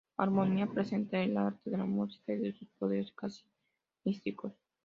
Armonía presenta el arte de la música y de sus poderes casi místicos.